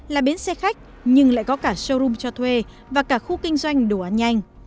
là bến xe khách nhưng lại có cả showroom cho thuê và cả khu kinh doanh đồ ăn nhanh